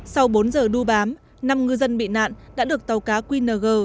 sau bốn giờ đu bám năm ngư dân bị nạn đã được tàu cá qng chín mươi nghìn tám trăm một mươi chín